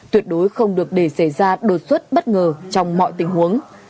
tuyệt đối không được để xảy ra đột xuất bất ngờ trong mọi tình huống